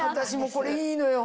これいいのよ。